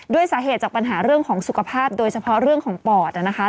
สาเหตุจากปัญหาเรื่องของสุขภาพโดยเฉพาะเรื่องของปอดนะคะ